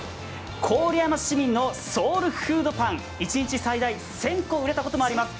郡山市民のソウルフードパン１日最大１０００個売れたこともあります